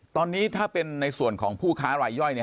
ตอนนี้ถ้าเป็นในส่วนของผู้ค้ารายย่อย